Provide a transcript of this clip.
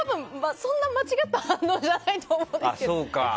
そんな間違った反応じゃないと思うんですけど。